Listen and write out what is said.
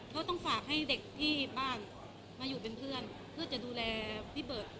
เขาต้องฝากให้เด็กที่บ้านมาอยู่เป็นเพื่อนเพื่อจะดูแลพี่เบิร์ต